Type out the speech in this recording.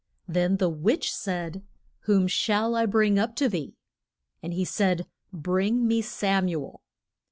Then the witch said, Whom shall I bring up to thee? And he said, Bring me Sam u el.